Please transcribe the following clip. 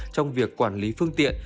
trong việc quản lý phương tiện